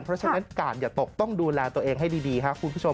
เพราะฉะนั้นกาดอย่าตกต้องดูแลตัวเองให้ดีครับคุณผู้ชม